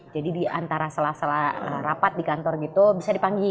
jadi di antara salah salah rapat di kantor gitu bisa dipanggil